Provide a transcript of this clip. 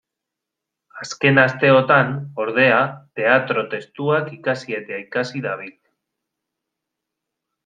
Azken asteotan, ordea, teatro-testuak ikasi eta ikasi dabil.